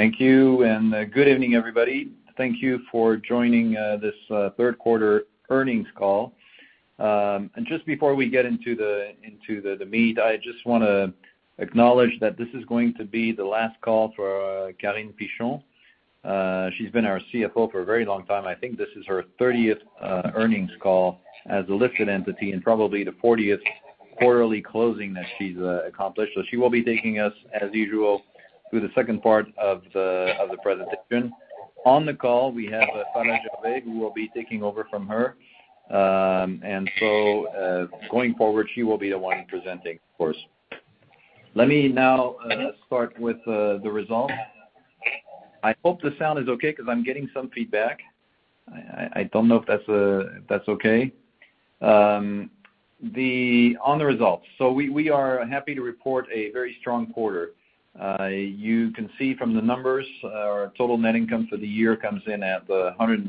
Thank you, and good evening, everybody. Thank you for joining this third quarter earnings call. Just before we get into the meat, I just want to acknowledge that this is going to be the last call for Carine Pichon. She's been our CFO for a very long time. I think this is her 30th earnings call as a listed entity and probably the 40th quarterly closing that she's accomplished. She will be taking us, as usual, through the second part of the presentation. On the call, we have Phalla Gervais, who will be taking over from her. Going forward, she will be the one presenting for us. Let me now start with the results. I hope the sound is okay because I'm getting some feedback. I don't know if that's okay. On the results. We are happy to report a very strong quarter. You can see from the numbers, our total net income for the year comes in at 190.9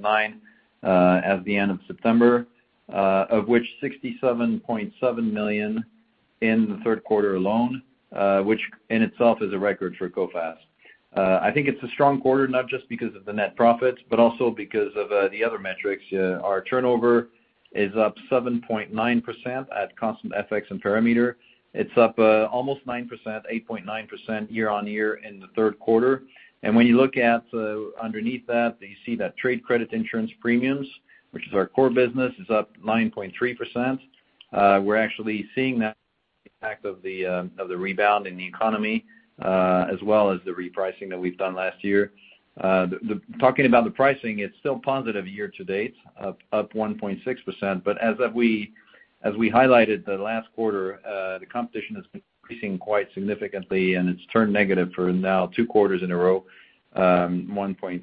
million at the end of September, of which 67.7 million in the third quarter alone, which in itself is a record for Coface. I think it's a strong quarter, not just because of the net profits, but also because of the other metrics. Our turnover is up 7.9% at constant FX and perimeter. It's up almost 9%, 8.9% year-on-year in the third quarter. When you look underneath that, you see that trade credit insurance premiums, which is our core business, is up 9.3%. We're actually seeing that impact of the rebound in the economy as well as the repricing that we've done last year. Talking about the pricing, it's still positive year to date, up 1.6%. As we highlighted the last quarter, the competition has been increasing quite significantly, and it's turned negative for now two quarters in a row, 1.3%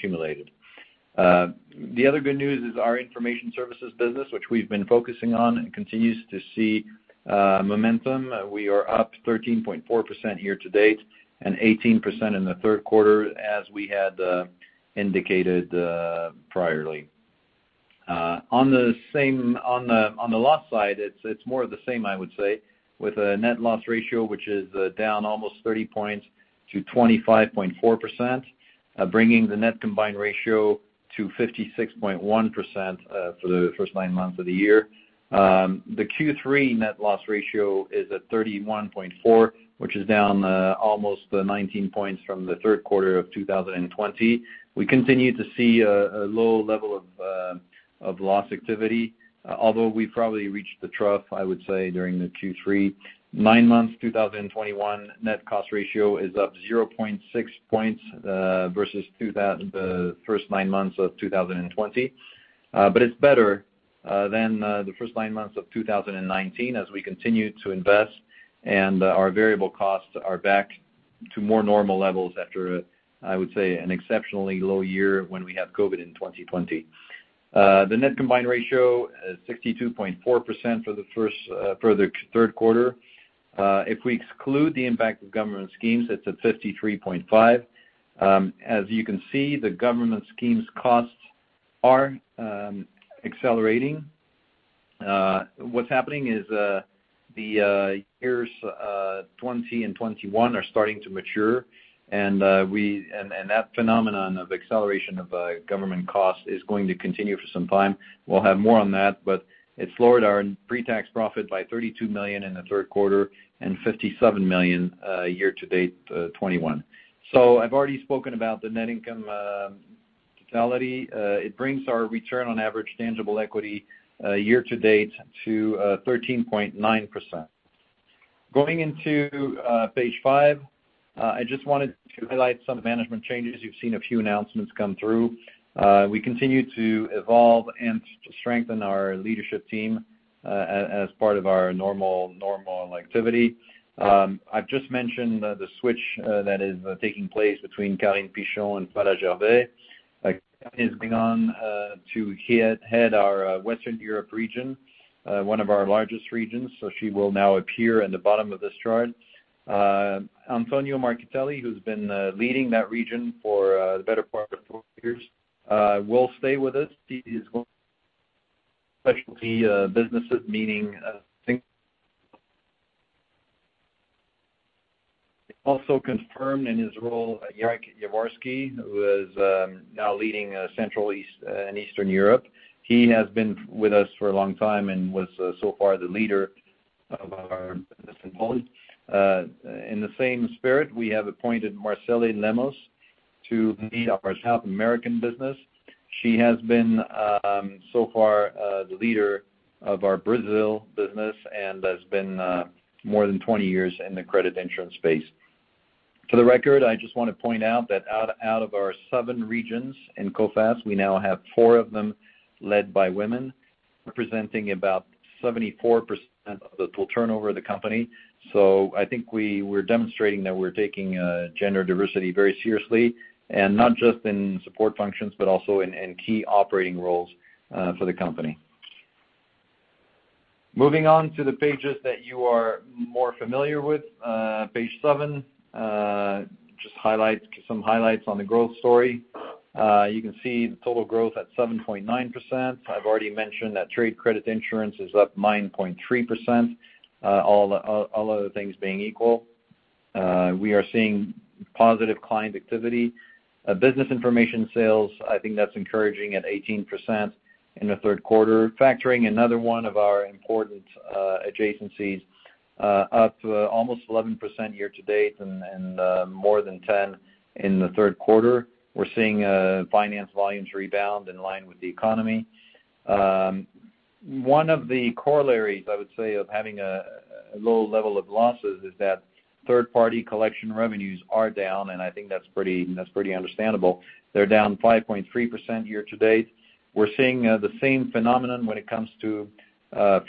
cumulative. The other good news is our information services business, which we've been focusing on, continues to see momentum. We are up 13.4% year to date and 18% in the third quarter as we had indicated previously. On the loss side, it's more of the same, I would say, with a net loss ratio which is down almost 30 points to 25.4%, bringing the net combined ratio to 56.1% for the first nine months of the year. The Q3 net loss ratio is at 31.4, which is down almost 19 points from the third quarter of 2020. We continue to see a low level of loss activity, although we probably reached the trough, I would say, during the Q3. The nine months 2021 net cost ratio is up 0.6 points versus the first nine months of 2020. It's better than the first nine months of 2019 as we continue to invest and our variable costs are back to more normal levels after, I would say, an exceptionally low year when we had COVID in 2020. The net combined ratio is 62.4% for the third quarter. If we exclude the impact of government schemes, it's at 53.5%. As you can see, the government schemes costs are accelerating. What's happening is, the years 2020 and 2021 are starting to mature and that phenomenon of acceleration of government costs is going to continue for some time. We'll have more on that, but it's lowered our pre-tax profit by 32 million in the third quarter and 57 million year to date 2021. I've already spoken about the net income totality. It brings our return on average tangible equity year to date to 13.9%. Going into page five, I just wanted to highlight some management changes. You've seen a few announcements come through. We continue to evolve and strengthen our leadership team as part of our normal activity. I've just mentioned the switch that is taking place between Carine Pichon and Phalla Gervais. Carine is going on to head our Western Europe region, one of our largest regions, so she will now appear in the bottom of this chart. Antonio Marchitelli, who's been leading that region for the better part of four years, will stay with us. He is going specialty businesses, meaning. Also confirmed in his role, Jarek Jaworski, who is now leading Central and Eastern Europe. He has been with us for a long time and was so far the leader of our business in Poland. In the same spirit, we have appointed Marcele Lemos to lead our South American business. She has been so far the leader of our Brazil business and has been more than 20 years in the credit insurance space. For the record, I just want to point out that out of our seven regions in Coface, we now have four of them led by women, representing about 74% of the total turnover of the company. I think we're demonstrating that we're taking gender diversity very seriously, and not just in support functions, but also in key operating roles for the company. Moving on to the pages that you are more familiar with, page seven just highlights some highlights on the growth story. You can see the total growth at 7.9%. I've already mentioned that trade credit insurance is up 9.3%, all other things being equal. We are seeing positive client activity. Business information sales, I think that's encouraging at 18% in the third quarter. Factoring, another one of our important adjacencies, up to almost 11% year-to-date and more than 10% in the third quarter. We're seeing finance volumes rebound in line with the economy. One of the corollaries, I would say, of having a low level of losses is that third-party collection revenues are down, and I think that's pretty understandable. They're down 5.3% year-to-date. We're seeing the same phenomenon when it comes to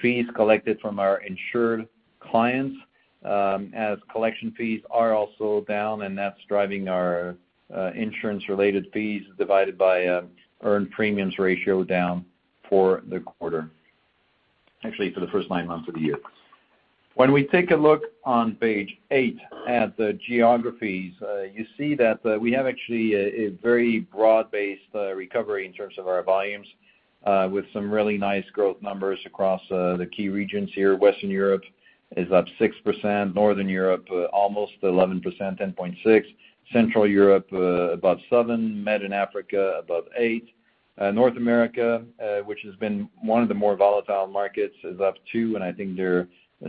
fees collected from our insured clients, as collection fees are also down, and that's driving our insurance-related fees divided by earned premiums ratio down for the quarter, actually for the first nine months of the year. When we take a look on page eight at the geographies, you see that we have actually a very broad-based recovery in terms of our volumes with some really nice growth numbers across the key regions here. Western Europe is up 6%. Northern Europe almost 11%, 10.6%. Central Europe up 10%. Southern Med and Africa above 8%. North America, which has been one of the more volatile markets, is up 2%, and I think they're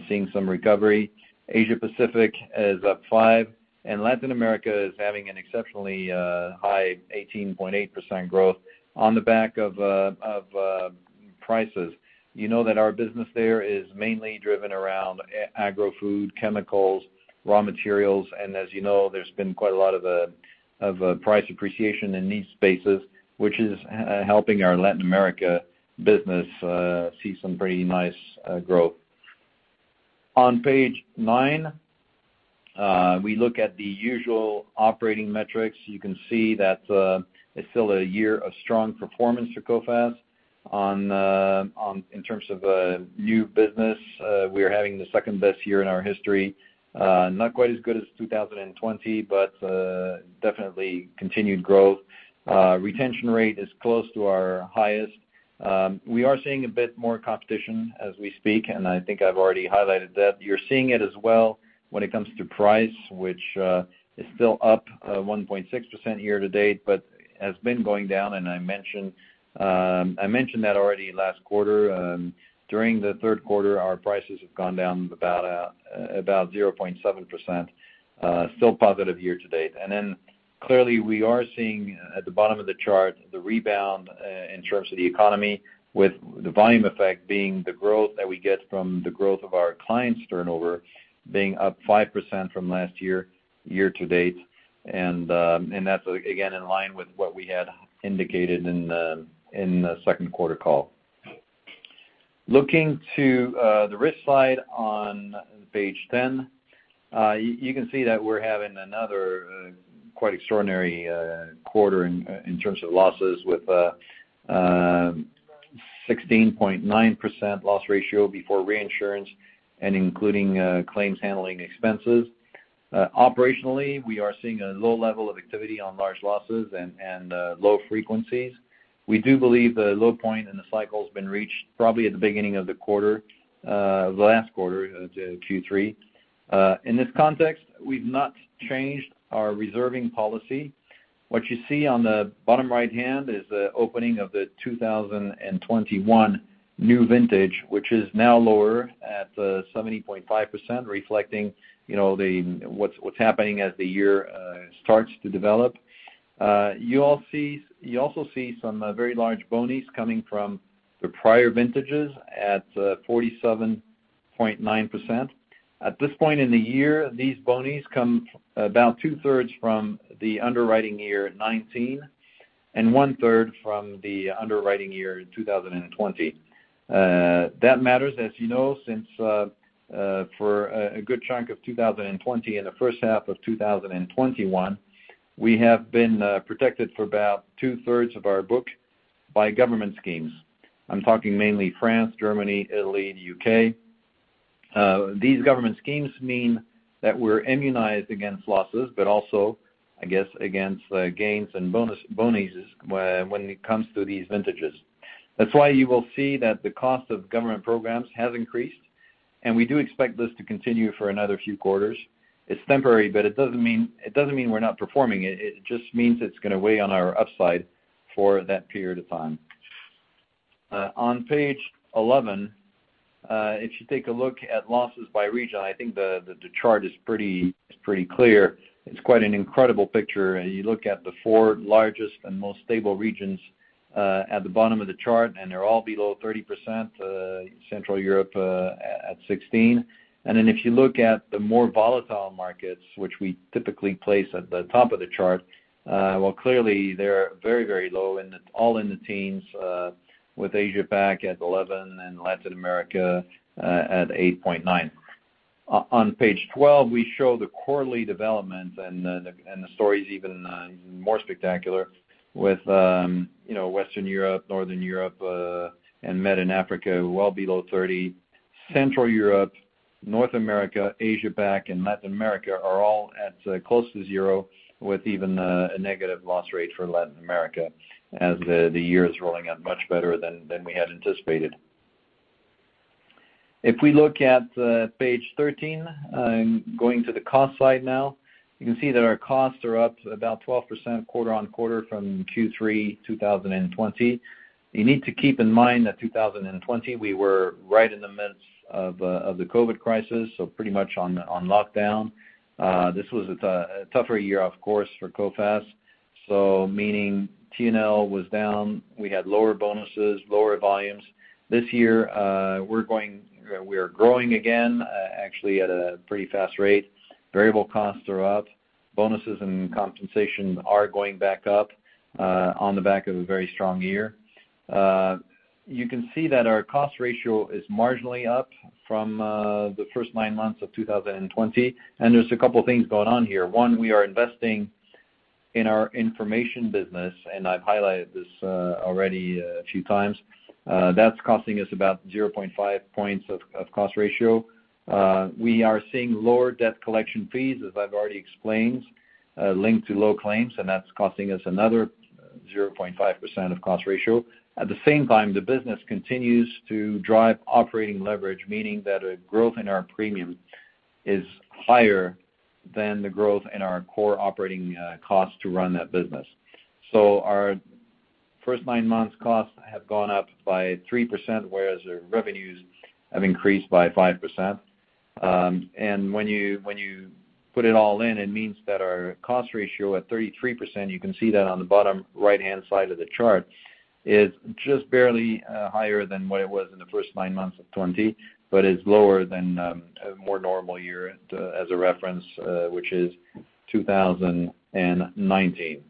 seeing some recovery. Asia Pacific is up 5%, and Latin America is having an exceptionally high 18.8% growth on the back of prices. You know that our business there is mainly driven around agro food, chemicals, raw materials, and as you know, there's been quite a lot of price appreciation in these spaces, which is helping our Latin America business see some pretty nice growth. On page nine, we look at the usual operating metrics. You can see that it's still a year of strong performance for Coface. In terms of new business, we're having the second-best year in our history. Not quite as good as 2020, but definitely continued growth. Retention rate is close to our highest. We are seeing a bit more competition as we speak, and I think I've already highlighted that. You're seeing it as well when it comes to price, which is still up 1.6% year-to-date, but has been going down. I mentioned that already last quarter. During the third quarter, our prices have gone down about 0.7%. Still positive year-to-date. Then clearly, we are seeing, at the bottom of the chart, the rebound in terms of the economy, with the volume effect being the growth that we get from the growth of our clients' turnover being up 5% from last year-to-date. That's, again, in line with what we had indicated in the second quarter call. Looking to the risk slide on page 10, you can see that we're having another quite extraordinary quarter in terms of losses with 16.9% loss ratio before reinsurance and including claims handling expenses. Operationally, we are seeing a low level of activity on large losses and low frequencies. We do believe the low point in the cycle has been reached probably at the beginning of the quarter, the last quarter, Q3. In this context, we've not changed our reserving policy. What you see on the bottom right-hand is the opening of the 2021 new vintage, which is now lower at 70.5%, reflecting what's happening as the year starts to develop. You also see some very large boni coming from the prior vintages at 47.9%. At this point in the year, these boni come about two-thirds from the underwriting year 2019 and one-third from the underwriting year 2020. That matters, as you know, since for a good chunk of 2020 and the H1 of 2021, we have been protected for about two-thirds of our book by government schemes. I'm talking mainly France, Germany, Italy, and U.K. These government schemes mean that we're immunized against losses, but also, I guess, against gains and boni when it comes to these vintages. That's why you will see that the cost of government programs has increased, and we do expect this to continue for another few quarters. It's temporary, but it doesn't mean we're not performing. It just means it's going to weigh on our upside for that period of time. On page 11, if you take a look at losses by region, I think the chart is pretty clear. It's quite an incredible picture. You look at the four largest and most stable regions at the bottom of the chart, and they're all below 30%. Central Europe at 16%. If you look at the more volatile markets, which we typically place at the top of the chart, well, clearly, they're very, very low and all in the teens, with Asia back at 11% and Latin America at 8.9%. On page 12, we show the quarterly development and the story's even more spectacular with, you know, Western Europe, Northern Europe, and Med and Africa well below 30%. Central Europe, North America, Asia PAC, and Latin America are all at close to zero with even a negative loss rate for Latin America as the year is rolling out much better than we had anticipated. If we look at page 13, I'm going to the cost slide now. You can see that our costs are up about 12% quarter-on-quarter from Q3 2020. You need to keep in mind that 2020, we were right in the midst of the COVID crisis, so pretty much on lockdown. This was a tougher year of course for Coface. Meaning T&L was down. We had lower bonuses, lower volumes. This year, we are growing again, actually at a pretty fast rate. Variable costs are up. Bonuses and compensation are going back up, on the back of a very strong year. You can see that our cost ratio is marginally up from the first nine months of 2020, and there's a couple things going on here. One, we are investing in our information business, and I've highlighted this already a few times. That's costing us about 0.5 points of cost ratio. We are seeing lower debt collection fees, as I've already explained, linked to low claims, and that's costing us another 0.5% of cost ratio. At the same time, the business continues to drive operating leverage, meaning that a growth in our premium is higher than the growth in our core operating costs to run that business. Our first nine months costs have gone up by 3%, whereas the revenues have increased by 5%. When you put it all in, it means that our cost ratio at 33%, you can see that on the bottom right-hand side of the chart, is just barely higher than what it was in the first nine months of 2020, but is lower than a more normal year as a reference, which is 2019.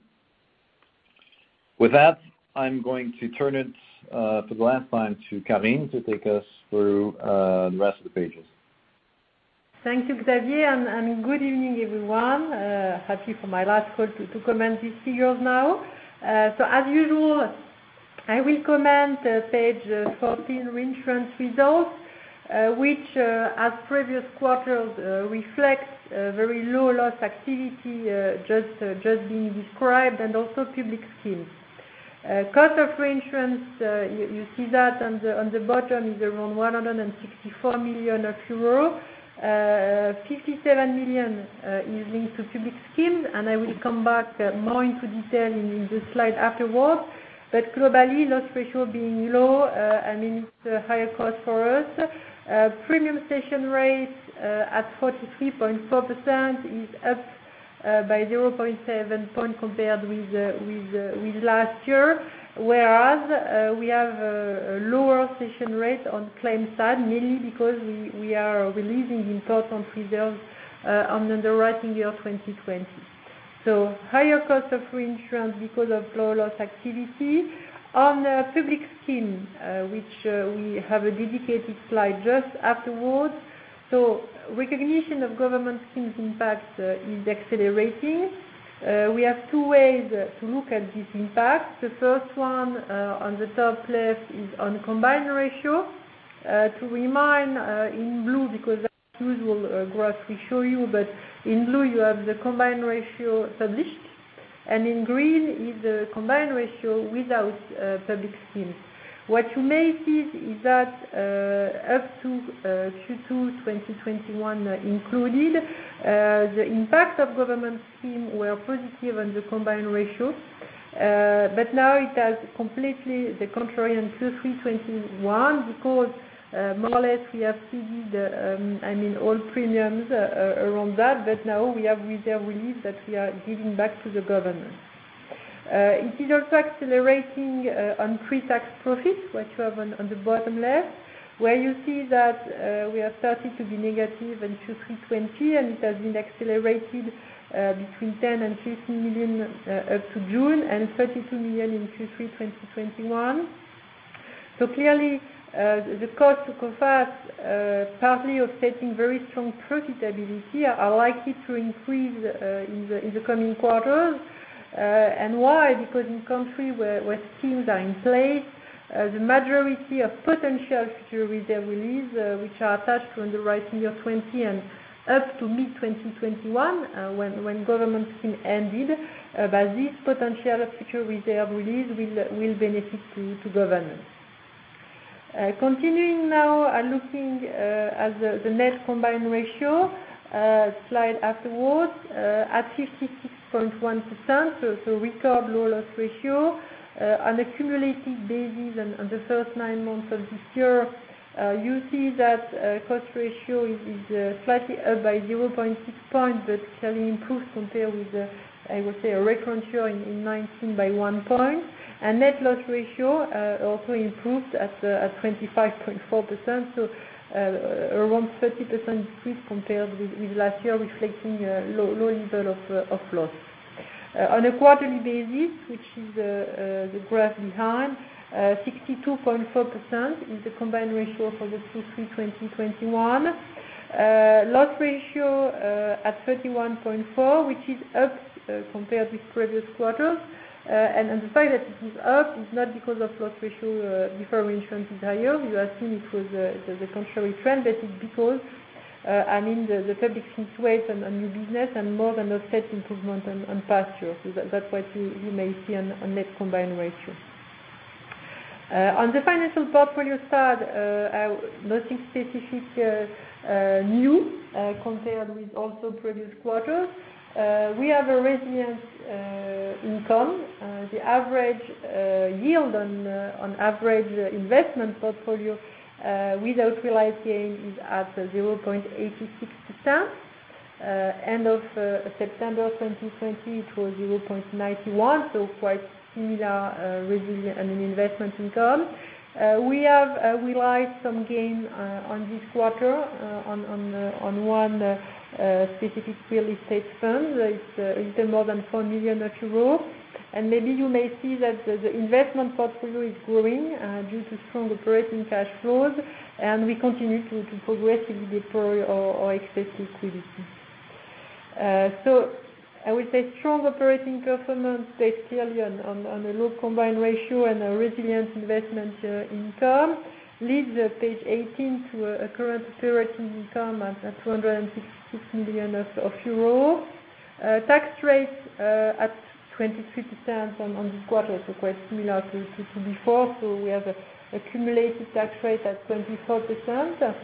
With that, I'm going to turn it for the last time to Carine to take us through the rest of the pages. Thank you, Xavier, and good evening, everyone. Happy for my last call to comment these figures now. As usual, I will comment page 14 reinsurance results, which, as previous quarters, reflects very low loss activity, just being described and also public schemes. Cost of reinsurance, you see that on the bottom, is around 164 million euro. Euro 57 million is linked to public schemes, and I will come back more into detail in the slide afterwards. Globally, loss ratio being low, I mean, it's a higher cost for us. Premium cession rate at 43.4% is up by 0.7 point compared with last year. Whereas we have a lower cession rate on claim side, mainly because we are releasing important reserves on underwriting year 2020. Higher cost of reinsurance because of low loss activity. On the public scheme, which we have a dedicated slide just afterwards. Recognition of government schemes impact is accelerating. We have two ways to look at this impact. The first one on the top left is on combined ratio. To remind, in blue because that's usual graph we show you, but in blue you have the combined ratio published, and in green is the combined ratio without public scheme. What you may see is that up to Q2 2021 included, the impact of government scheme were positive on the combined ratio. Now it has completely the contrary in Q3 2021 because more or less we have seen the I mean all premiums around that, but now we have reserve release that we are giving back to the government. It is also accelerating on pre-tax profits, what you have on the bottom left, where you see that we have started to be negative in Q3 2020, and it has been accelerated between 10 million and 15 million up to June and 32 million in Q3 2021. Clearly the cost to Coface partly offsetting very strong profitability are likely to increase in the coming quarters. Why? Because in country where schemes are in place, the majority of potential future reserve release, which are attached to underwriting year 2020 and up to mid-2021, when government scheme ended, but this potential of future reserve release will benefit to governments. Continuing now and looking at the net combined ratio slide afterwards at 66.1%, so record low loss ratio. On accumulated basis on the first nine months of this year, you see that cost ratio is slightly up by 0.6 points, but clearly improved compared with, I would say a reference year in 2019 by one point. Net loss ratio also improved at 25.4%, so around 30% decrease compared with last year, reflecting a low level of loss. On a quarterly basis, which is the graph behind, 62.4% is the combined ratio for the Q3 2021. Loss ratio at 31.4%, which is up compared with previous quarters. The fact that it is up is not because the loss ratio before reinsurance is higher. We are seeing the contrary trend, but it's because, I mean, the public schemes situation on new business more than offset improvement on past year. That's what you may see on a net combined ratio. On the financial portfolio side, I have nothing specific new compared with previous quarters. We have a resilient income. The average yield on the average investment portfolio without realized gain is at 0.86%. End of September 2020, it was 0.91%, so quite similar, resilient investment income. We have realized some gain in this quarter on one specific real estate fund. It's a little more than 4 million euros. Maybe you may see that the investment portfolio is growing due to strong operating cash flows, and we continue to progressively deploy our excess liquidity. I will say strong operating performance takes clearly on a low combined ratio and a resilient investment income. Leads page 18 to a current operating income at 266 million euros. Tax rate at 23% on this quarter, quite similar to before. We have an accumulated tax rate at 24%.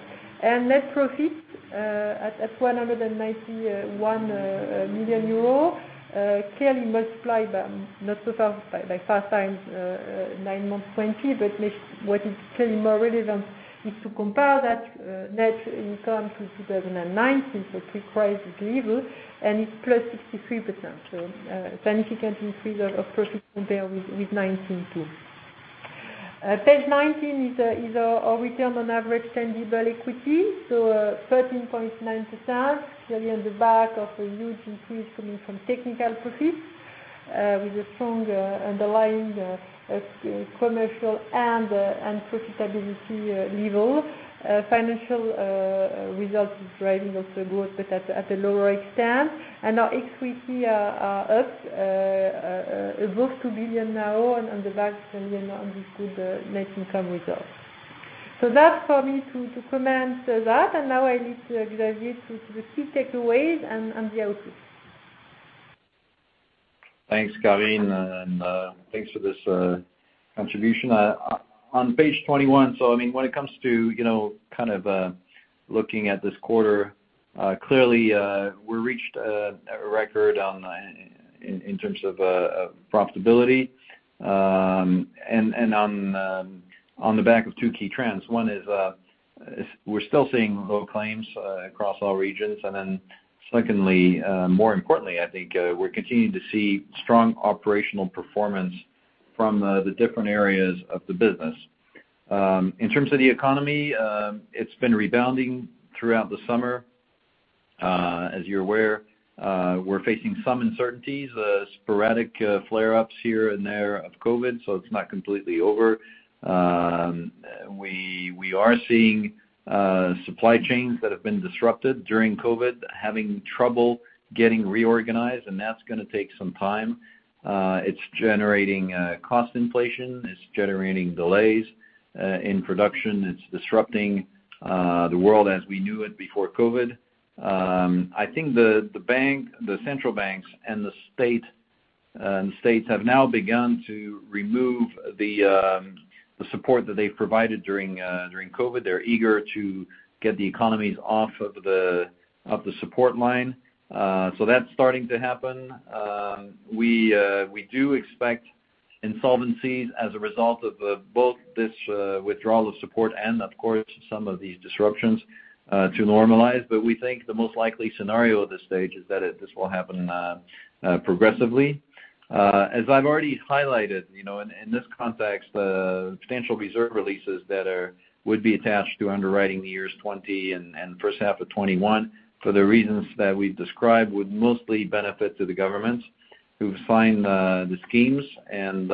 Net profit at 191 million euro, clearly multiplied not so far by 5x nine-month 2020. What is clearly more relevant is to compare that net income to 2019, pre-crisis level, and it's +63%. Significant increase of profit compared with 2019 too. Page 19 is our return on average tangible equity. 13.9%, clearly on the back of a huge increase coming from technical profits, with a strong underlying commercial and profitability level. Financial result is driving also growth but at a lower extent. Our equity are up above 2 billion now on the back clearly on this good net income results. That's for me to comment that. Now I leave to Xavier the key takeaways and the outlook. Thanks, Carine, and thanks for this contribution. On page 21, I mean, when it comes to, you know, kind of looking at this quarter, clearly we reached a record in terms of profitability, and on the back of two key trends. One is we're still seeing low claims across all regions. Secondly, more importantly, I think, we're continuing to see strong operational performance from the different areas of the business. In terms of the economy, it's been rebounding throughout the summer. As you're aware, we're facing some uncertainties, sporadic flare-ups here and there of COVID, so it's not completely over. We are seeing supply chains that have been disrupted during COVID having trouble getting reorganized, and that's gonna take some time. It's generating cost inflation. It's generating delays in production. It's disrupting the world as we knew it before COVID. I think the central banks and states have now begun to remove the support that they've provided during COVID. They're eager to get the economies off of the support line. That's starting to happen. We do expect insolvencies as a result of both this withdrawal of support and of course, some of these disruptions to normalize. We think the most likely scenario at this stage is that this will happen progressively. As I've already highlighted, you know, in this context, the potential reserve releases that would be attached to underwriting years 2020 and H1 of 2021, for the reasons that we've described, would mostly benefit to the governments who sign the schemes, and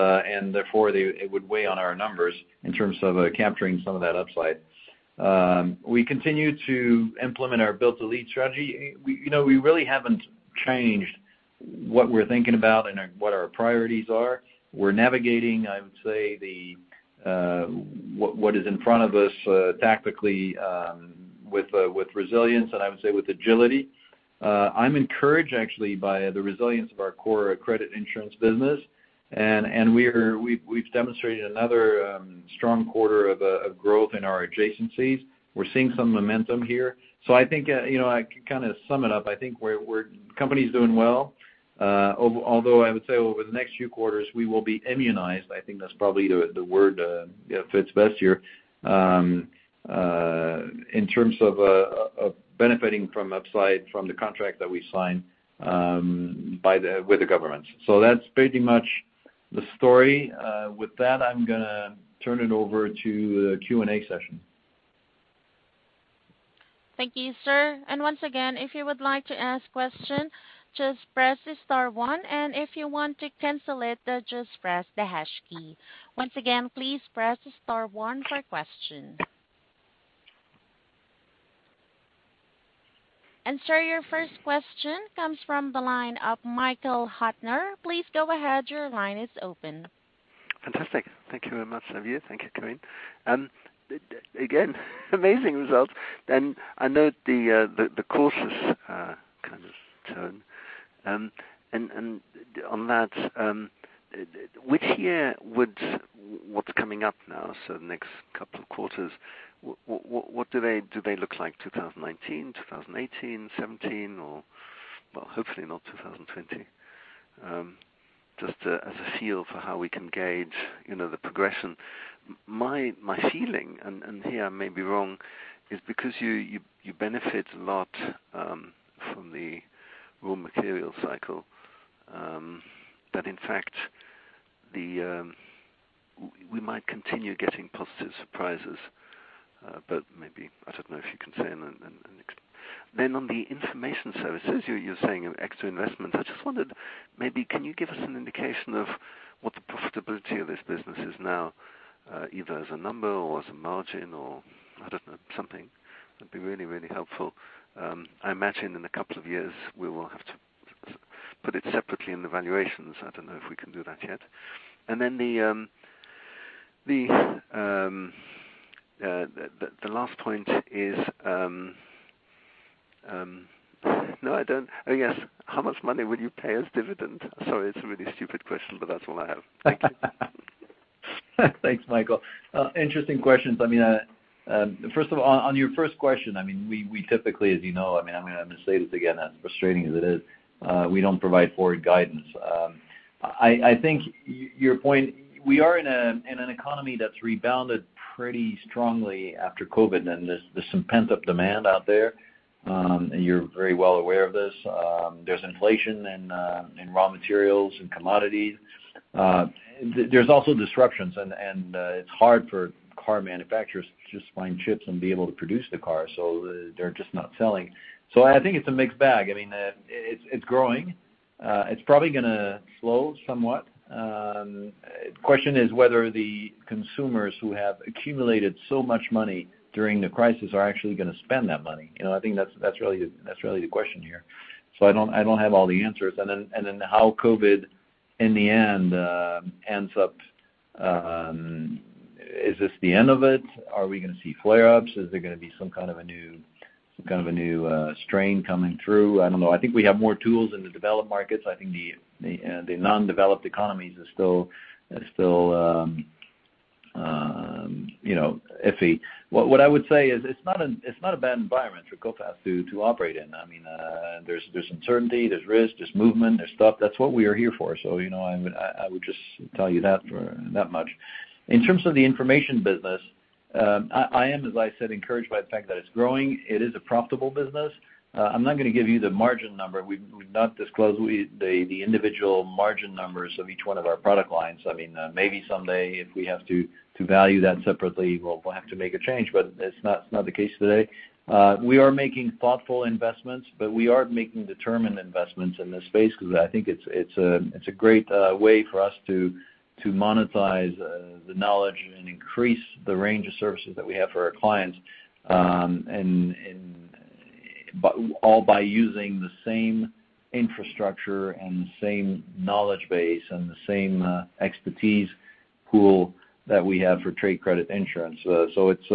therefore, it would weigh on our numbers in terms of capturing some of that upside. We continue to implement our Build to Lead strategy. We, you know, we really haven't changed what we're thinking about and our priorities. We're navigating, I would say, what is in front of us tactically, with resilience and I would say with agility. I'm encouraged actually by the resilience of our core credit insurance business. We've demonstrated another strong quarter of growth in our adjacencies. We're seeing some momentum here. I think, you know, I can kind of sum it up. I think the company's doing well, although I would say over the next few quarters, we will be immunized. I think that's probably the word, you know, fits best here, in terms of benefiting from upside from the contract that we signed with the governments. That's pretty much the story. With that, I'm gonna turn it over to the Q&A session. Thank you, sir. Once again, if you would like to ask questions. Just press the star one, and if you want to cancel it, just press the hash key. Once again, please press star one for questions. Sir, your first question comes from the line of Michael Huttner. Please go ahead. Your line is open. Fantastic. Thank you very much, Xavier. Thank you, Carine. Again, amazing results. I know the course kind of turns. On that, which year would—what's coming up now, so the next couple of quarters, what do they look like 2019, 2018, 2017 or. Well, hopefully not 2020. Just as a feel for how we can gauge, you know, the progression. My feeling, here I may be wrong, is because you benefit a lot from the raw material cycle that in fact we might continue getting positive surprises. But maybe I don't know if you can say in the next. Then on the information services, you're saying extra investments. I just wondered, maybe can you give us an indication of what the profitability of this business is now, either as a number or as a margin or, I don't know, something? That'd be really, really helpful. I imagine in a couple of years, we will have to put it separately in the valuations. I don't know if we can do that yet. I guess, how much money will you pay as dividend? Sorry, it's a really stupid question, but that's all I have. Thank you. Thanks, Michael. Interesting questions. I mean, first of all, on your first question, I mean, we typically, as you know, I mean, I'm gonna have to say this again, as frustrating as it is, we don't provide forward guidance. I think your point, we are in an economy that's rebounded pretty strongly after COVID, and there's some pent-up demand out there, and you're very well aware of this. There's inflation in raw materials and commodities. There's also disruptions and, it's hard for car manufacturers to find chips and be able to produce the car, so they're just not selling. I think it's a mixed bag. I mean, it's growing. It's probably gonna slow somewhat. Question is whether the consumers who have accumulated so much money during the crisis are actually gonna spend that money. You know, I think that's really the question here. I don't have all the answers. Then how COVID, in the end, ends up. Is this the end of it? Are we gonna see flare-ups? Is there gonna be some kind of a new strain coming through? I don't know. I think we have more tools in the developed markets. I think the non-developed economies are still you know iffy. What I would say is it's not a bad environment for Coface to operate in. I mean, there's uncertainty, there's risk, there's movement, there's stuff. That's what we are here for. You know, I would just tell you that for that much. In terms of the information business, I am, as I said, encouraged by the fact that it's growing. It is a profitable business. I'm not gonna give you the margin number. We've not disclosed the individual margin numbers of each one of our product lines. I mean, maybe someday if we have to value that separately, we'll have to make a change, but it's not the case today. We are making thoughtful investments, but we are making determined investments in this space because I think it's a great way for us to monetize the knowledge and increase the range of services that we have for our clients. All by using the same infrastructure and the same knowledge base and the same expertise pool that we have for trade credit insurance. That's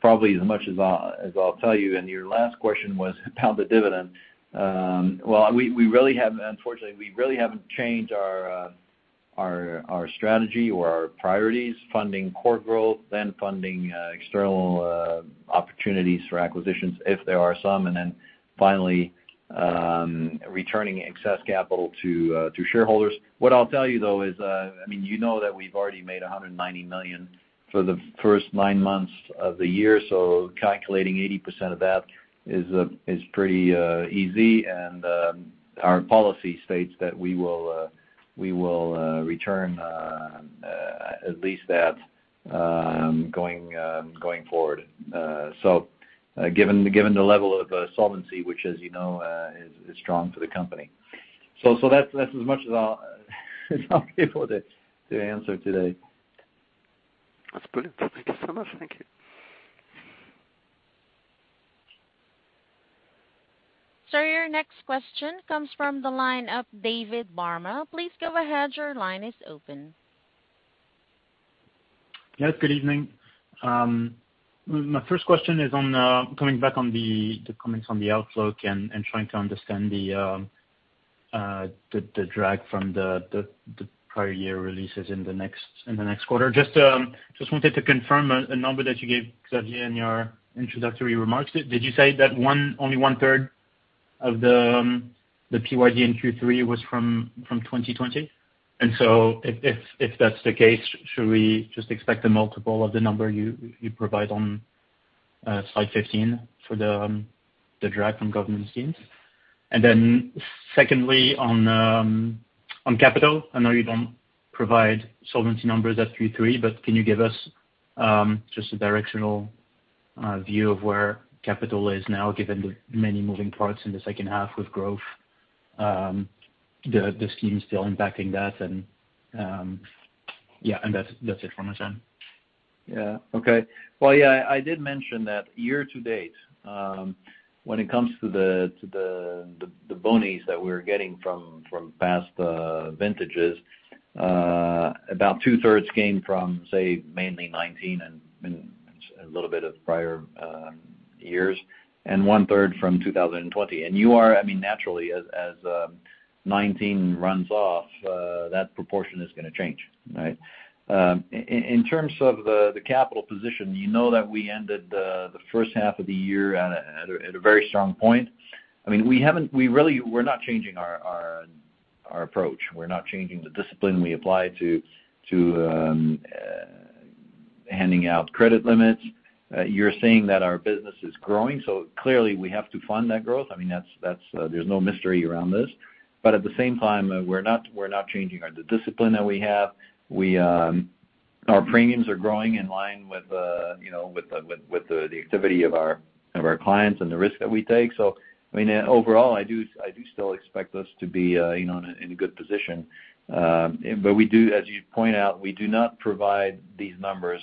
probably as much as I'll tell you. Your last question was about the dividend. Well, unfortunately, we really haven't changed our strategy or our priorities, funding core growth, then funding external opportunities for acquisitions if there are some, and then finally returning excess capital to shareholders. What I'll tell you though is, I mean, you know that we've already made 190 million for the first nine months of the year. Calculating 80% of that is pretty easy. Our policy states that we will return at least that going forward. Given the level of solvency, which as you know, is strong for the company. That's as much as I'll be able to answer today. That's brilliant. Thank you so much. Thank you. Sir, your next question comes from the line of David Barma. Please go ahead. Your line is open. Yes, good evening. My first question is on coming back on the comments on the outlook and trying to understand the drag from the prior year releases in the next quarter. Just wanted to confirm a number that you gave, Xavier, in your introductory remarks. Did you say that only one-third of the PYD in Q3 was from 2020? If that's the case, should we just expect a multiple of the number you provide on slide 15 for the drag from government schemes? Secondly, on capital, I know you don't provide solvency numbers at Q3, but can you give us just a directional view of where capital is now, given the many moving parts in the H2 with growth, the scheme still impacting that, and yeah, that's it from my side. Yeah. Okay. Well, yeah, I did mention that year to date, when it comes to the boni that we're getting from past vintages, about two-thirds came from, say, mainly 2019 and a little bit of prior years, and one-third from 2020. I mean, naturally as 2019 runs off, that proportion is gonna change, right? In terms of the capital position, you know that we ended the H1 of the year at a very strong point. I mean, we're not changing our approach. We're not changing the discipline we apply to handing out credit limits. You're seeing that our business is growing, so clearly, we have to fund that growth. I mean, that's. There's no mystery around this. At the same time, we're not changing our discipline that we have. Our premiums are growing in line with, you know, with the activity of our clients and the risk that we take. I mean, overall, I do still expect us to be, you know, in a good position. We do, as you point out, we do not provide these numbers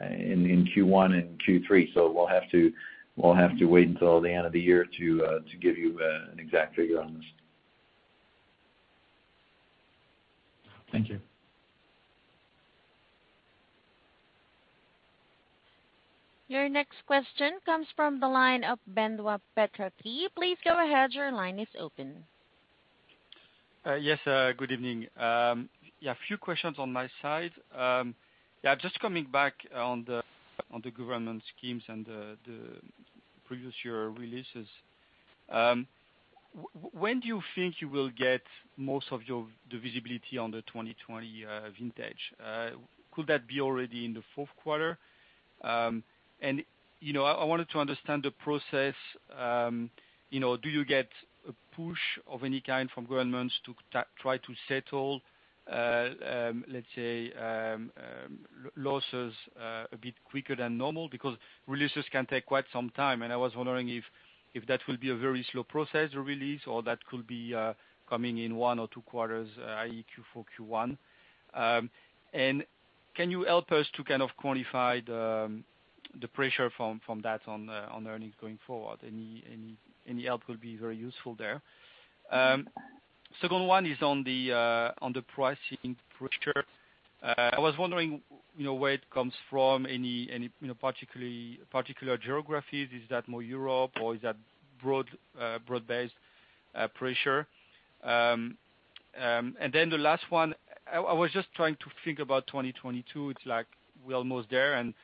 in Q1 and Q3, so we'll have to wait until the end of the year to give you an exact figure on this. Thank you. Your next question comes from the line of Benoît Pétrarque. Please go ahead, your line is open. Yes, good evening. Yeah, a few questions on my side. Yeah, just coming back on the government schemes and the previous year releases. When do you think you will get most of your visibility on the 2020 vintage? Could that be already in the fourth quarter? You know, I wanted to understand the process. You know, do you get a push of any kind from governments to try to settle losses a bit quicker than normal? Because releases can take quite some time, and I was wondering if that will be a very slow process release or that could be coming in one or two quarters, i.e., Q4, Q1. Can you help us to kind of quantify the pressure from that on earnings going forward? Any help will be very useful there. Second one is on the pricing pressure. I was wondering, you know, where it comes from, any particular geographies. Is that more Europe or is that broad-based pressure? Then the last one, I was just trying to think about 2022. It's like we're almost there and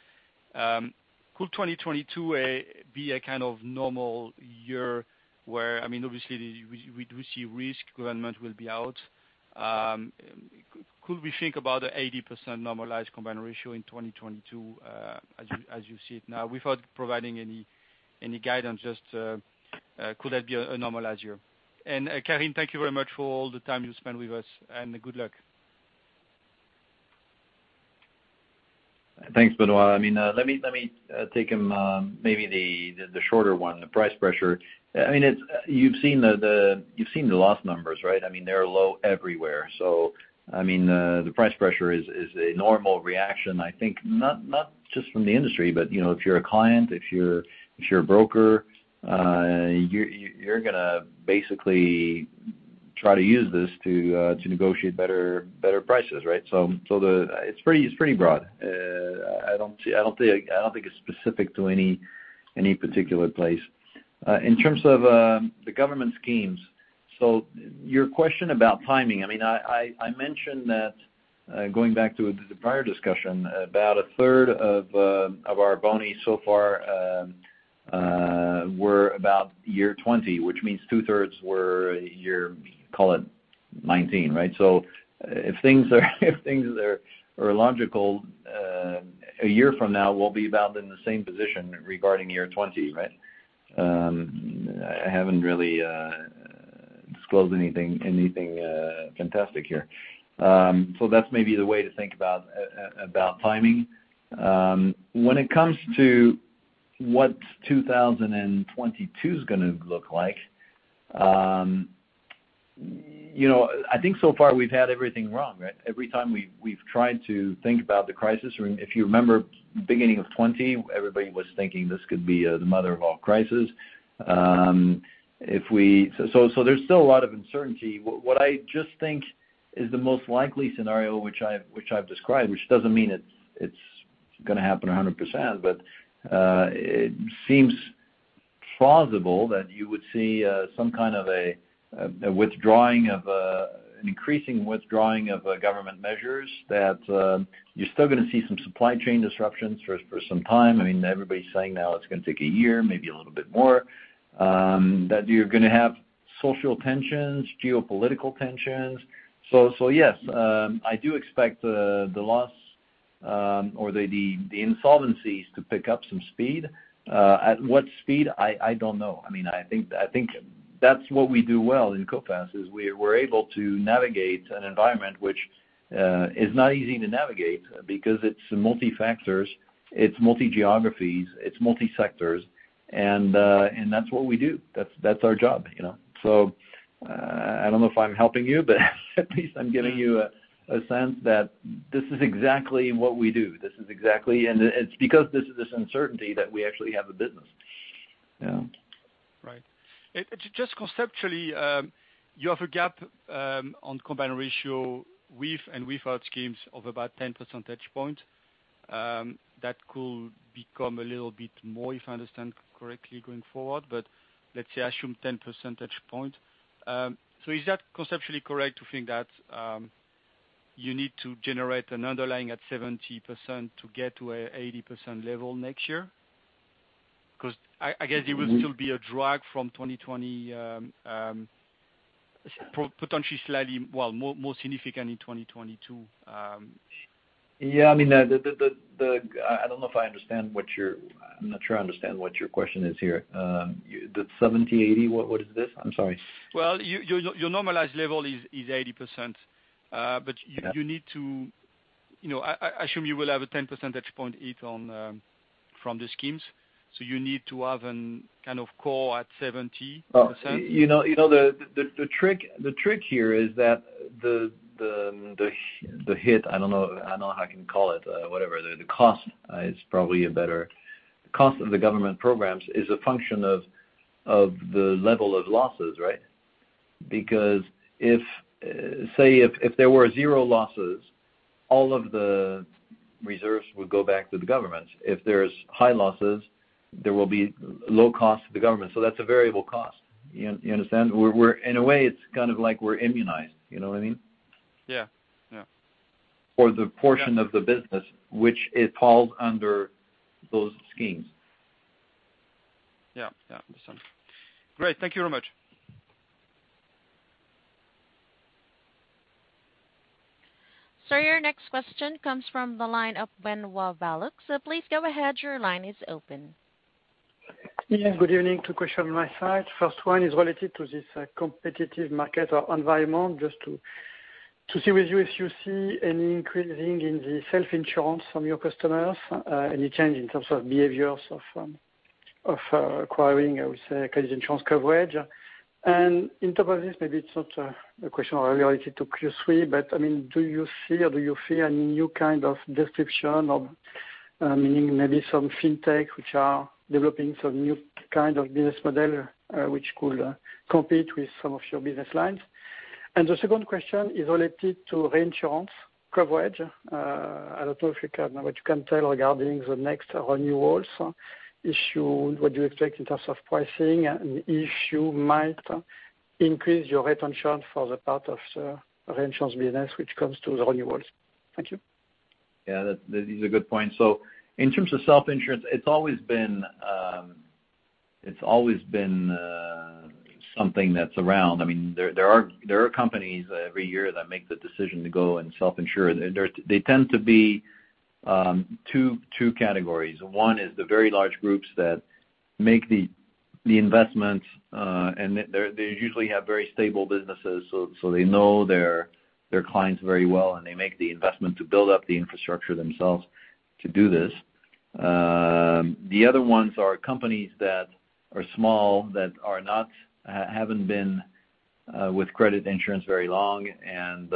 could 2022 be a kind of normal year where, I mean, obviously we do see government schemes will be out. Could we think about 80% normalized combined ratio in 2022, as you see it now? Without providing any guidance, just, could that be a normalized year? Carine, thank you very much for all the time you spent with us, and good luck. Thanks, Benoit. I mean, let me take them, maybe the shorter one, the price pressure. I mean, you've seen the loss numbers, right? I mean, they're low everywhere. I mean, the price pressure is a normal reaction, I think not just from the industry, but you know, if you're a client, if you're a broker, you're gonna basically try to use this to negotiate better prices, right? It's pretty broad. I don't think it's specific to any particular place. In terms of the government schemes, your question about timing, I mean, I mentioned that, going back to the prior discussion, about a third of our boni so far were about year 2020, which means two thirds were year, call it 2019, right? If things are logical, a year from now we'll be about in the same position regarding year 2020, right? I haven't really disclosed anything fantastic here. That's maybe the way to think about timing. When it comes to what 2022's gonna look like, you know, I think so far we've had everything wrong, right? Every time we've tried to think about the crisis, if you remember beginning of 2020, everybody was thinking this could be the mother of all crisis. There's still a lot of uncertainty. What I just think is the most likely scenario, which I've described, which doesn't mean it's gonna happen 100%, but it seems plausible that you would see some kind of a withdrawal of an increasing withdrawal of government measures. You're still gonna see some supply chain disruptions for some time. I mean, everybody's saying now it's gonna take a year, maybe a little bit more. You're gonna have social tensions, geopolitical tensions. Yes, I do expect the losses or the insolvencies to pick up some speed. At what speed? I don't know. I mean, I think that's what we do well in Coface, is we're able to navigate an environment which is not easy to navigate because it's multi-factors, it's multi geographies, it's multi sectors, and that's what we do. That's our job, you know. I don't know if I'm helping you, but at least I'm giving you a sense that this is exactly what we do. This is exactly what we do because it's this uncertainty that we actually have a business. Yeah. Right. Just conceptually, you have a gap on combined ratio with and without schemes of about 10 percentage points, that could become a little bit more, if I understand correctly, going forward, but let's say I assume 10 percentage points. So is that conceptually correct to think that you need to generate an underlying at 70% to get to an 80% level next year? 'Cause I guess there will still be a drag from 2020, potentially slightly, well, more significant in 2022. Yeah. I mean, I'm not sure I understand what your question is here. The 70/80, what is this? I'm sorry. Well, your normalized level is 80%. Yeah. You need to. You know, I assume you will have a 10 percentage point hit on from the schemes, so you need to have a kind of core at 70%. You know, the trick here is that the hit, I don't know how I can call it, whatever, the cost is probably better. Cost of the government programs is a function of the level of losses, right? Because say if there were zero losses, all of the reserves would go back to the governments. If there's high losses, there will be low cost to the government, so that's a variable cost. You understand? In a way, it's kind of like we're immunized. You know what I mean? Yeah. Yeah. For the- Yeah. portion of the business which is held under those schemes. Yeah. Yeah. Makes sense. Great. Thank you very much. Sir, your next question comes from the line of Benoit Valleaux. Please go ahead, your line is open. Yeah, good evening. Two questions on my side. First one is related to this competitive market or environment, just to see with you if you see any increase in the self-insurance from your customers, any change in terms of behaviors of acquiring, I would say, credit insurance coverage. In terms of this, maybe it's not a question related to Q3, but I mean, do you see or do you fear any new kind of disruption meaning maybe some fintech which are developing some new kind of business model, which could compete with some of your business lines. The second question is related to reinsurance coverage. I don't know if you can... What can you tell regarding the next renewals issue? What do you expect in terms of pricing, and if you might increase your retention for the part of the reinsurance business which comes to the renewals? Thank you. Yeah. That is a good point. In terms of self-insurance, it's always been something that's around. I mean, there are companies every year that make the decision to go and self-insure. They tend to be two categories. One is the very large groups that make the investments, and they usually have very stable businesses, so they know their clients very well, and they make the investment to build up the infrastructure themselves to do this. The other ones are companies that are small, that haven't been with credit insurance very long, and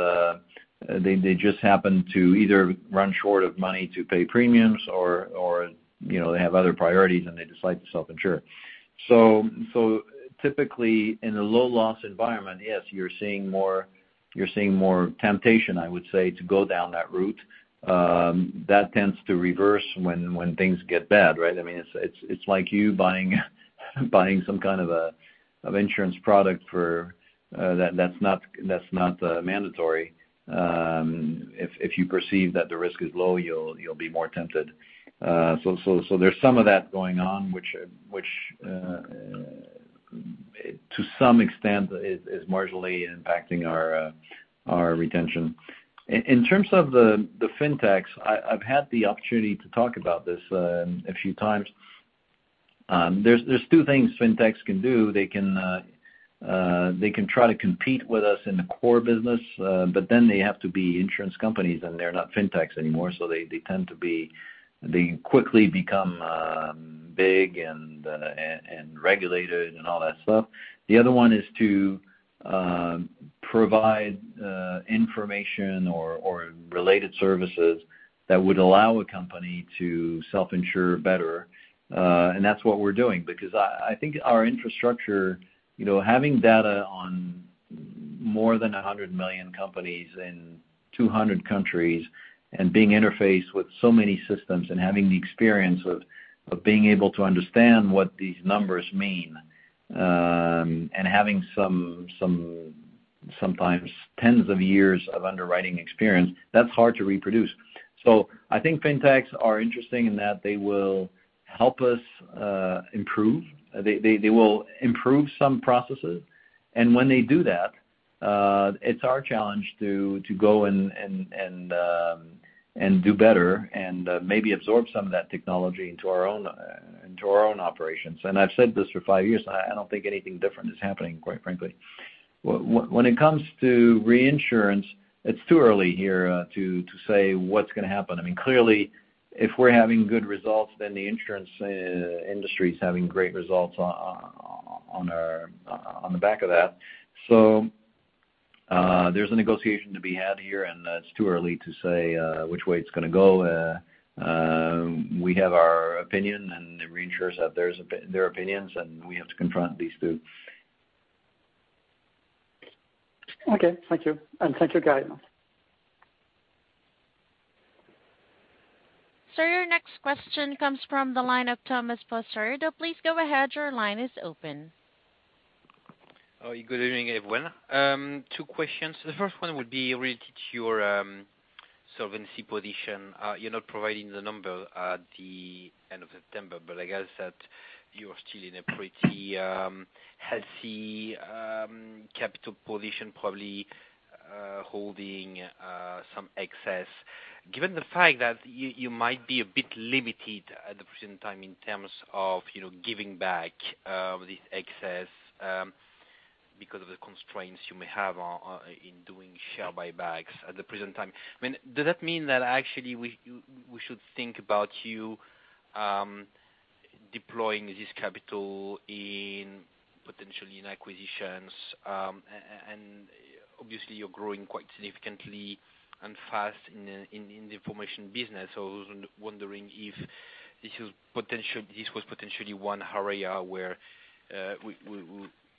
they just happen to either run short of money to pay premiums or, you know, they have other priorities and they decide to self-insure. Typically, in a low loss environment, yes, you're seeing more temptation, I would say, to go down that route. That tends to reverse when things get bad, right? I mean, it's like you buying some kind of insurance product that's not mandatory. If you perceive that the risk is low, you'll be more tempted. There's some of that going on, which to some extent is marginally impacting our retention. In terms of the fintechs, I've had the opportunity to talk about this a few times. There's two things fintechs can do. They can try to compete with us in the core business, but then they have to be insurance companies, and they're not fintechs anymore, so they tend to be. They quickly become big and regulated and all that stuff. The other one is to provide information or related services that would allow a company to self-insure better. That's what we're doing because I think our infrastructure, you know, having data on more than 100 million companies in 200 countries and being interfaced with so many systems and having the experience of being able to understand what these numbers mean, and having sometimes tens of years of underwriting experience, that's hard to reproduce. I think fintechs are interesting in that they will help us improve. They will improve some processes. When they do that, it's our challenge to go and do better and maybe absorb some of that technology into our own operations. I've said this for five years. I don't think anything different is happening, quite frankly. When it comes to reinsurance, it's too early here to say what's gonna happen. I mean, clearly, if we're having good results, then the insurance industry is having great results on the back of that. There's a negotiation to be had here, and it's too early to say which way it's gonna go. We have our opinion, and the reinsurers have theirs or their opinions, and we have to confront these two. Okay. Thank you. Thank you, Carine. Sir, your next question comes from the line of Thomas Fossard. Please go ahead, your line is open. Oh, good evening, everyone. Two questions. The first one would be related to your solvency position. You're not providing the number at the end of September, but I guess that you're still in a pretty healthy capital position, probably holding some excess. Given the fact that you might be a bit limited at the present time in terms of, you know, giving back this excess, because of the constraints you may have on in doing share buybacks at the present time. I mean, does that mean that actually you should think about deploying this capital in potentially in acquisitions? And obviously, you're growing quite significantly and fast in the information business. I was wondering if this was potentially one area where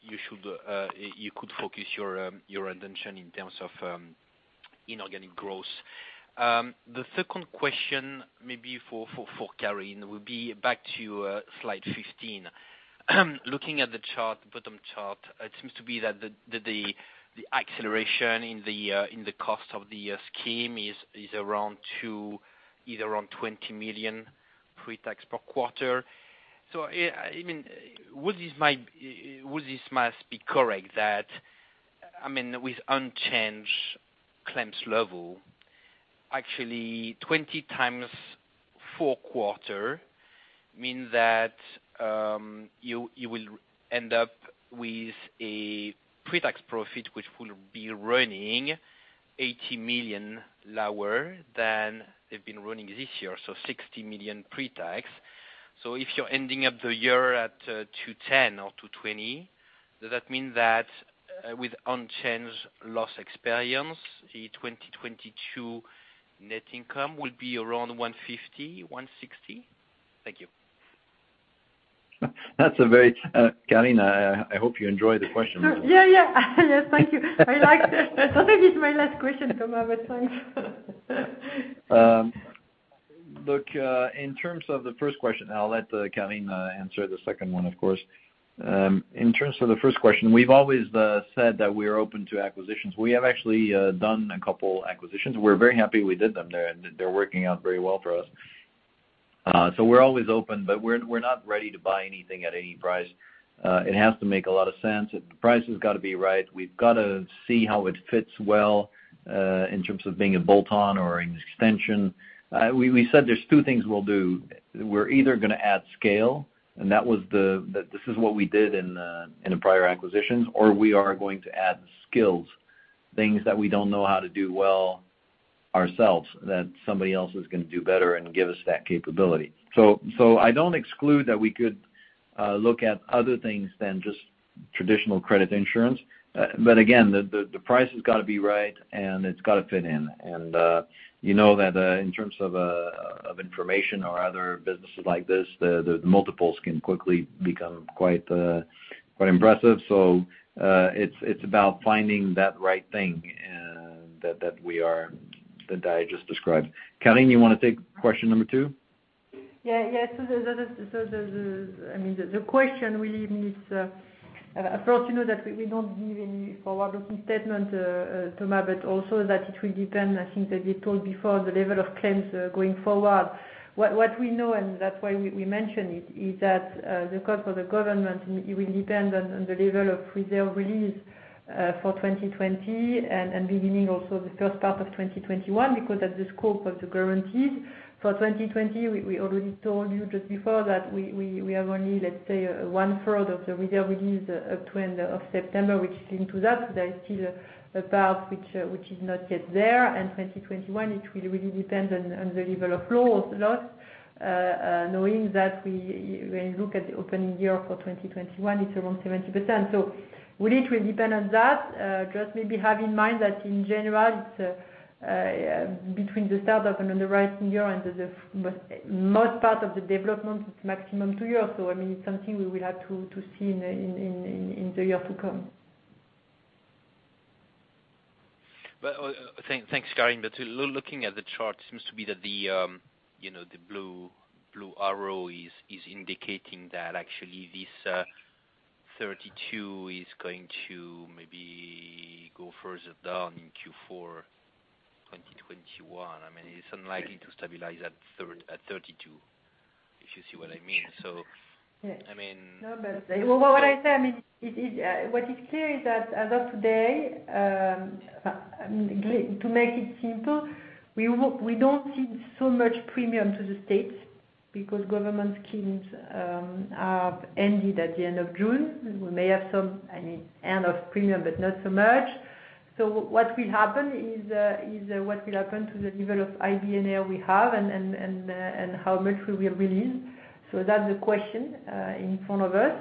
you could focus your attention in terms of inorganic growth. The second question may be for Carine, we'll be back to slide 15. Looking at the chart, bottom chart, it seems that the acceleration in the cost of the scheme is around 20 million pre-tax per quarter. I mean, would this be correct that, I mean, with unchanged claims level, actually 20x four quarters mean that you will end up with a pre-tax profit which will be running 80 million lower than they've been running this year, so 60 million pre-tax. If you're ending up the year at 210% or 220%, does that mean that with unchanged loss experience, the 2022 net income will be around 150-160? Thank you. That's a very, Carine, I hope you enjoy the question. Yeah, yeah. Yes, thank you. I like this. I thought it was my last question, Thomas, but thanks. Look, in terms of the first question, I'll let Carine answer the second one, of course. In terms of the first question, we've always said that we're open to acquisitions. We have actually done a couple acquisitions. We're very happy we did them. They're working out very well for us. We're always open, but we're not ready to buy anything at any price. It has to make a lot of sense. The price has gotta be right. We've gotta see how it fits well, in terms of being a bolt-on or an extension. We said there's two things we'll do. We're either gonna add scale, and this is what we did in the prior acquisitions, or we are going to add skills, things that we don't know how to do well ourselves, that somebody else is gonna do better and give us that capability. I don't exclude that we could look at other things than just traditional credit insurance. Again, the price has gotta be right and it's gotta fit in. You know that in terms of information or other businesses like this, the multiples can quickly become quite impressive. It's about finding that right thing that I just described. Carine, you wanna take question number two? The question really means, first, you know, that we don't give any forward-looking statement, Thomas, but also that it will depend, I think, as you told before, the level of claims going forward. What we know, and that's why we mention it, is that the cost for the government, it will depend on the level of reserve release for 2020 and beginning also the first part of 2021 because that's the scope of the guarantees. For 2020, we already told you just before that we have only, let's say, one-third of the reserve release up to end of September, which is into that. There is still a part which is not yet there. 2021, it will really depend on the level of flow of loss, knowing that when we look at the opening year for 2021, it's around 70%. Really it will depend on that. Just maybe have in mind that in general, it's between the start of an underwriting year and the most part of the development, it's maximum two years. I mean, it's something we will have to see in the year to come. Thanks, Carine. Looking at the chart, it seems that the blue arrow is indicating that actually this 32% is going to maybe go further down in Q4 2021. I mean, it's unlikely to stabilize at 32%. If you see what I mean. Yeah. I mean. No, but what I say, I mean, it is, what is clear is that as of today, to make it simple, we don't see so much premium to the states because government schemes have ended at the end of June. We may have some, I mean, end of premium, but not so much. What will happen is what will happen to the level of IBNR we have and how much we will release. That's the question in front of us.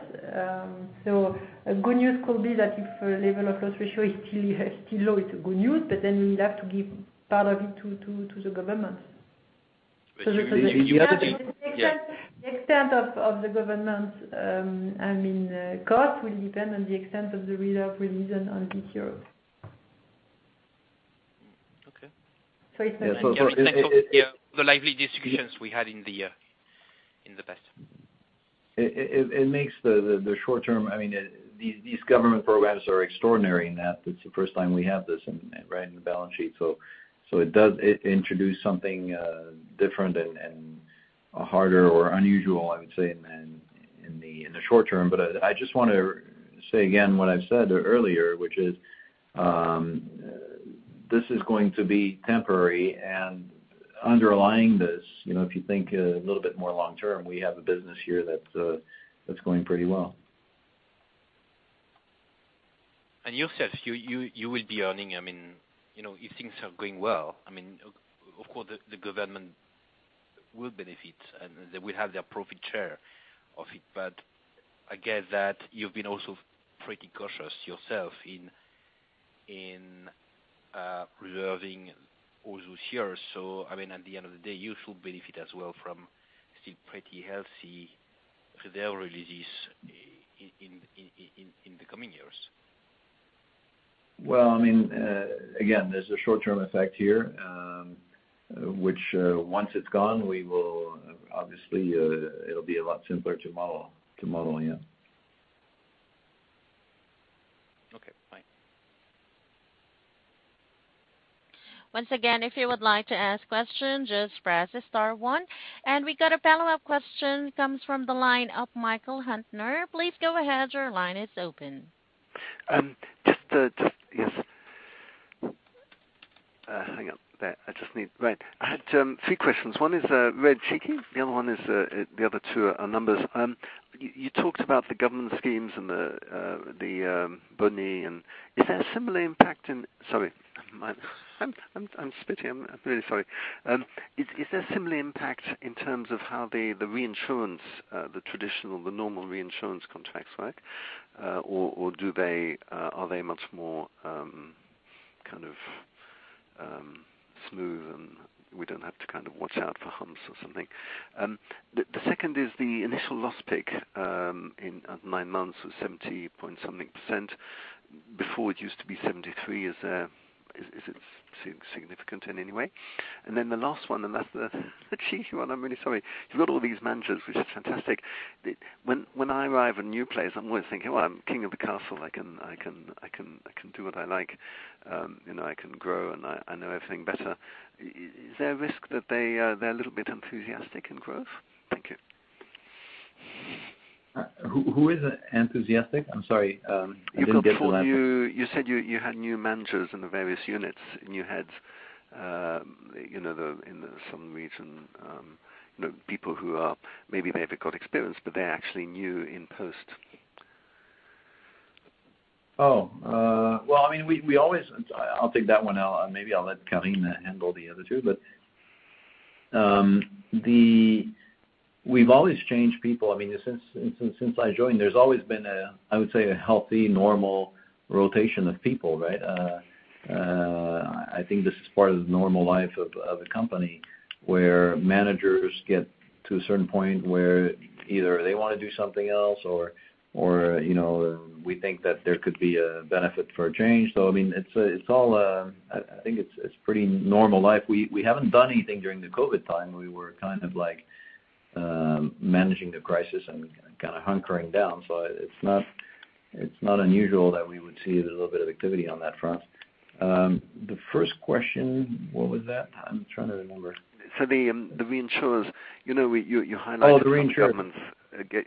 A good news could be that if level of loss ratio is still low, it's good news, but then we would have to give part of it to the government. You have a big, yeah. The extent of the government cost will depend on the extent of the release on UY21. Okay. Sorry, uncertain. Yeah, so it The lively discussions we had in the past. It makes the short term. I mean, these government programs are extraordinary in that it's the first time we have this in, right, in the balance sheet. It does introduce something different and harder or unusual, I would say, in the short term. I just want to say again what I've said earlier, which is, this is going to be temporary. Underlying this, you know, if you think a little bit more long term, we have a business here that's going pretty well. You yourself will be earning, I mean, you know, if things are going well. I mean, of course, the government will benefit, and they will have their profit share of it. I guess that you've been also pretty cautious yourself in reserving all those years. I mean, at the end of the day, you should benefit as well from still pretty healthy reserve releases in the coming years. Well, I mean, again, there's a short-term effect here, which, once it's gone, we will obviously, it'll be a lot simpler to model, yeah. Okay, fine. Once again, if you would like to ask questions, just press star one. We got a follow-up question, comes from the line of Michael Huttner. Please go ahead, your line is open. I had three questions. One is re-checking. The other one is, the other two are numbers. You talked about the government schemes and the boni. Sorry, I'm stuttering. I'm really sorry. Is there a similar impact in terms of how the reinsurance, the traditional, the normal reinsurance contracts work? Or are they much more kind of smooth and we don't have to kind of watch out for humps or something? The second is the initial loss pick in at nine months was 70-something%. Before it used to be 73%. Is it significant in any way? The last one, and that's the cheeky one. I'm really sorry. You've got all these managers, which is fantastic. When I arrive at a new place, I'm always thinking, "Well, I'm king of the castle. I can do what I like. You know, I can grow, and I know everything better." Is there a risk that they're a little bit enthusiastic in growth? Thank you. Who is enthusiastic? I'm sorry. I didn't get the last- You said you had new managers in the various units, and you had, you know, in some region, you know, people who are, maybe they've got experience, but they're actually new in post. I'll take that one. Maybe I'll let Carine handle the other two. We've always changed people. I mean, since I joined, there's always been a healthy, normal rotation of people, right? I think this is part of the normal life of a company, where managers get to a certain point where either they wanna do something else or you know, we think that there could be a benefit for a change. I mean, it's all. I think it's pretty normal life. We haven't done anything during the COVID time. We were kind of like managing the crisis and kind of hunkering down. It's not unusual that we would see a little bit of activity on that front. The first question, what was that? I'm trying the numbers. The reinsurers, you know, you highlighted- Oh, the reinsurers. How the governments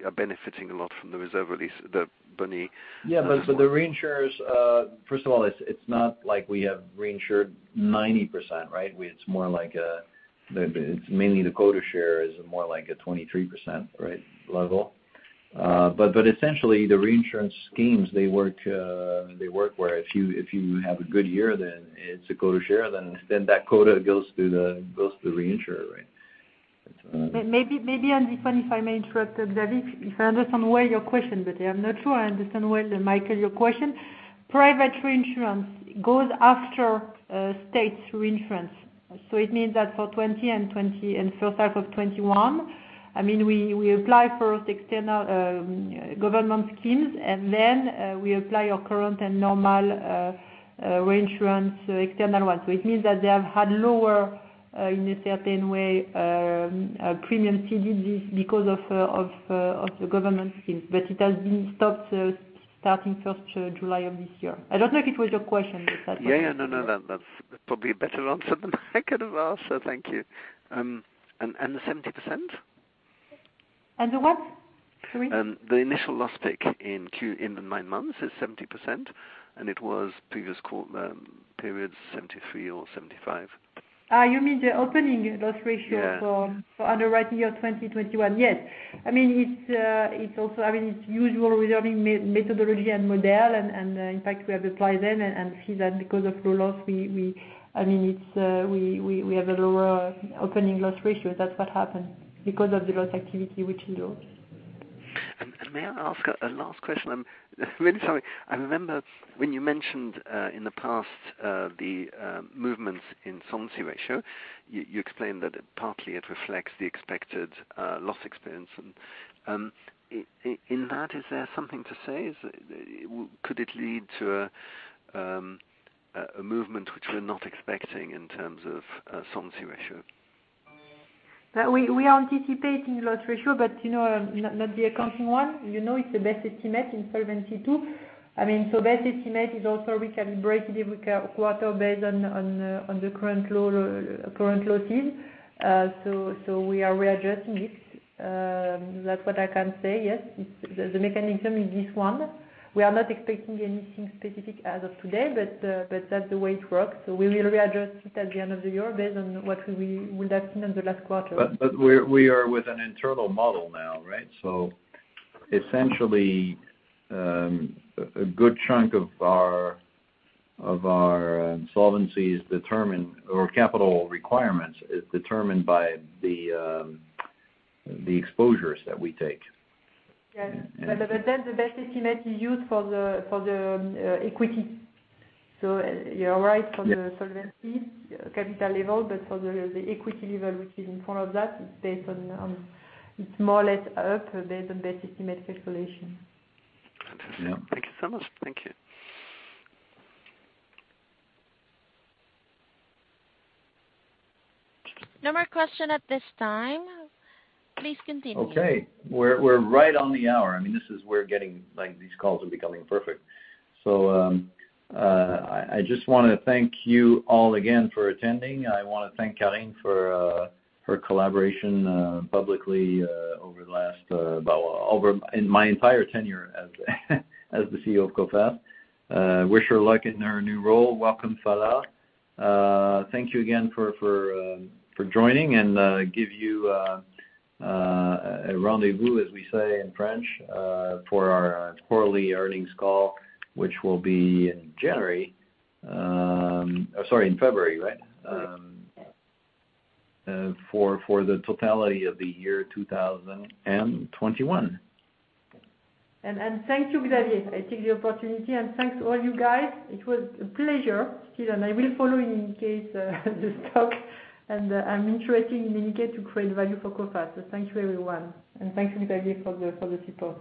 are benefiting a lot from the reserve release, the boni. The reinsurers, first of all, it's not like we have reinsured 90%, right? It's more like it's mainly the quota share is more like a 23% level, right. Essentially the reinsurance schemes, they work where if you have a good year, then it's a quota share, then that quota goes to the reinsurer, right? If I may interrupt, Xavier, if I understand well your question, but I'm not sure I understand well, Mikael, your question. Private reinsurance goes after state reinsurance. It means that for 2020 and 2021, and H1 of 2021, I mean, we apply for external government schemes, and then we apply our current and normal external reinsurance. It means that they have had lower, in a certain way, premium ceded because of the government schemes. It has been stopped starting first July of this year. I don't know if it was your question, but that's- Yeah, yeah. No, no, that's probably a better answer than I could have asked, so thank you. And the 70%? The what? Sorry. The initial loss ratio in the nine months is 70%, and it was previous quarter period 73% or 75%. You mean the opening loss ratio. Yeah. For underwriting year 2021? Yes. I mean, it's also. I mean, it's usual reserving methodology and model, and in fact, we apply them and see that because of low loss, we have a lower opening loss ratio. That's what happened, because of the loss activity, which is low. May I ask a last question? I'm really sorry. I remember when you mentioned in the past the movements in solvency ratio, you explained that it partly reflects the expected loss experience. In that, is there something to say? Could it lead to a movement which we're not expecting in terms of solvency ratio? We are anticipating loss ratio, but you know, not the accounting one. You know it's the best estimate in Solvency II. I mean, best estimate is also recalibrated every quarter based on the current losses. We are re-adjusting it. That's what I can say. Yes, it's the mechanism is this one. We are not expecting anything specific as of today, but that's the way it works. We will re-adjust it at the end of the year based on what we would have seen in the last quarter. We are with an internal model now, right? Essentially, a good chunk of our solvency is determined, or capital requirements is determined by the exposures that we take. Yes. The best estimate is used for the equity. You're right for the- Yeah. Solvency capital level. For the equity level, which is in front of that, it's more or less up based on best estimate calculation. Yeah. Thank you so much. Thank you. No more questions at this time. Please continue. Okay. We're right on the hour. I mean, like, these calls are becoming perfect. I just wanna thank you all again for attending. I wanna thank Carine for her collaboration publicly over my entire tenure as the CEO of Coface. Wish her luck in her new role. Welcome, Phalla. Thank you again for joining and giving you a rendezvous, as we say in French, for our quarterly earnings call, which will be in February, right? For the totality of the year 2021. Thank you, Xavier. I take the opportunity, and thanks to all you guys. It was a pleasure. Still, I will follow in case the stock. I'm interested in indicate to create value for Coface. Thank you everyone, and thanks Xavier for the support.